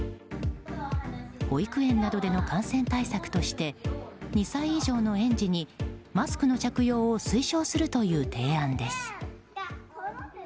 保育園などでの感染対策として２歳以上の園児にマスクの着用を推奨するという提案です。